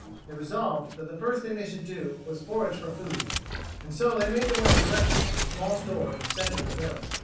They resolved that the first thing they should do was forage for food, and so they made their way directly to the small store in the center of the village.